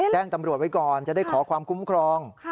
แจ้งตำรวจไว้ก่อนจะได้ขอความคุ้มครอง